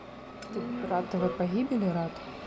Ты братавай пагібелі рад?